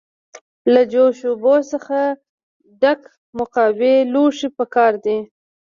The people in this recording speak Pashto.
له جوش اوبو څخه ډک مکعبي لوښی پکار دی.